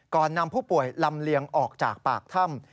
นำผู้ป่วยลำเลียงออกจากปากถ้ำ